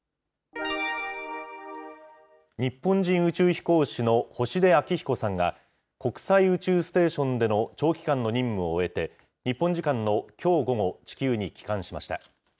日本人宇宙飛行士の星出彰彦さんが、国際宇宙ステーションでの長期間の任務を終えて、日本時間のきょう午後、地球に帰還しました。